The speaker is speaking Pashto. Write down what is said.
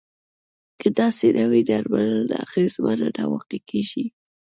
که داسې نه وي درملنه اغیزمنه نه واقع کیږي.